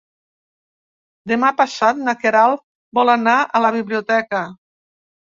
Demà passat na Queralt vol anar a la biblioteca.